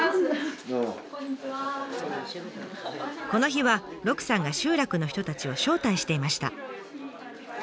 この日は鹿さんが集落の人たちを招待していました。